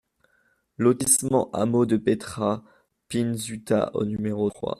Lotissement Hameaux de Petra Pinzuta au numéro trois